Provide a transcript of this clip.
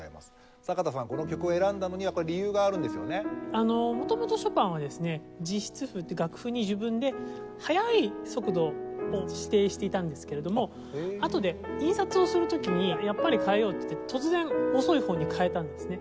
あの元々ショパンはですね自筆譜って楽譜に自分で速い速度を指定していたんですけれどもあとで印刷をする時にやっぱり変えようっていって突然遅い方に変えたんですね。